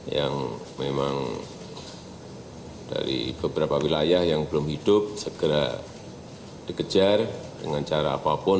yang memang dari beberapa wilayah yang belum hidup segera dikejar dengan cara apapun